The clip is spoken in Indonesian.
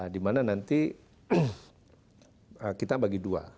di mana nanti kita bagi dua